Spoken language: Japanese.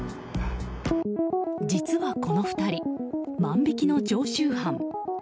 実は、この２人万引きの常習犯。